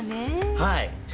はい。